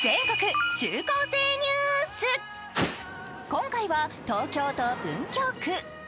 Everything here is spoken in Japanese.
今回は東京都文京区。